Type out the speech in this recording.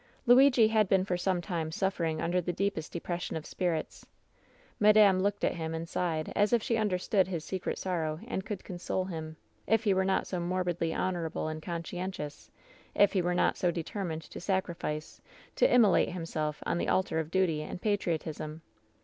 "Luigi had been for some time suffering under tiie deepest depression of spirits. Madame looked at him and sifijhed as if she understood his secret sorrow and could console him, if he were not so morbidly honorable and conscientious, if he were not so determined to sacri fice, to immolate himself on the altar of duty and patriotism.